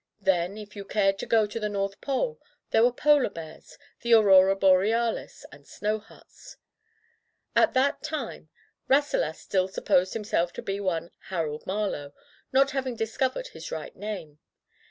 Then, if you cared to go to the North Pole, there were polar bears, the aurora borealis, and snow huts. At that time, Rasselas sdll supposed him self to be one Harold Marlowe, not having discovered his right name.